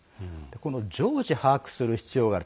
この常時把握する必要がある。